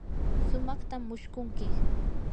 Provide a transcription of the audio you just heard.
sumaqtam mushkunki.